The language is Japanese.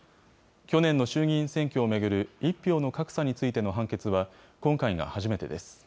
去年の衆議院選挙を巡る１票の格差についての判決は、今回が初めてです。